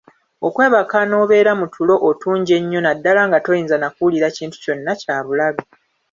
Okwebaka n’obeera mu tulo otungi ennyo ddala nga toyinza na kuwulira kintu kyonna kyabulabe.